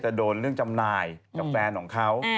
โดนเรื่องจำหน่ายกับแฟนของเขา